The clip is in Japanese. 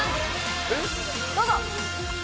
どうぞ。